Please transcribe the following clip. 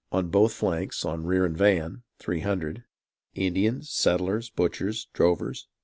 . On both danks. on rear and van ... Indians, settlers, butchers, drovers